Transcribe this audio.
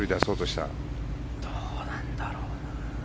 どうなんだろうな。